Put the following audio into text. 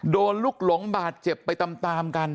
ลูกหลงบาดเจ็บไปตามกัน